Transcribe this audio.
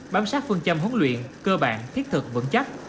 bám sát phương châm huấn luyện cơ bản thiết thực vững chắc